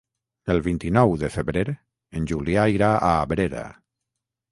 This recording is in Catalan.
El vint-i-nou de febrer en Julià irà a Abrera.